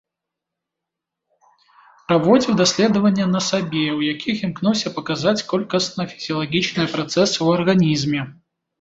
Праводзіў даследванні на сабе, у якіх імкнуўся паказаць колькасна фізіялагічныя працэсы ў арганізме.